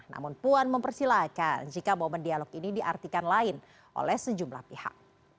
namun puan mempersilahkan jika momen dialog ini diartikan lain oleh sejumlah pihak